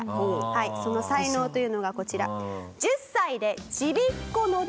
はいその才能というのがこちら。